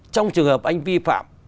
trong trường hợp anh vi phạm